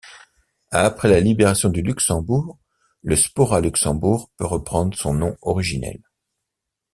Après la libération du Luxembourg, le Spora Luxembourg peut reprendre son nom originel.